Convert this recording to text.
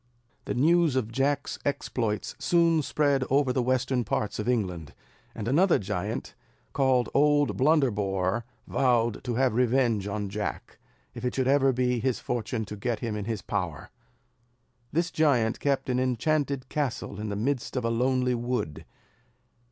The news of Jack's exploits soon spread over the western parts of England; and another giant, called Old Blunderbore, vowed to have revenge on Jack, if it should ever be his fortune to get him into his power. This giant kept an enchanted castle in the midst of a lonely wood.